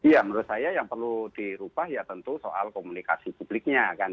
ya menurut saya yang perlu dirubah ya tentu soal komunikasi publiknya kan